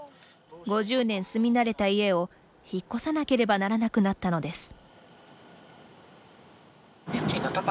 ５０年住みなれた家を引っ越さなければならなくなったのです。